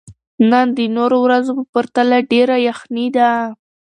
نن د نورو ورځو په پرتله ډېره یخني ده.